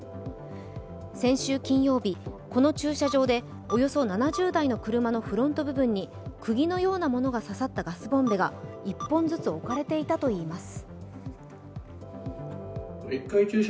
先週金曜日、この駐車場でおよそ７０台の車のフロント部分にくぎのようなものが刺さったガスボンベが１本ずつ置かれていたといいます。